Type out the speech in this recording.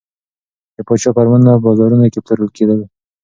د پاچا فرمانونه په بازارونو کې پلورل کېدل.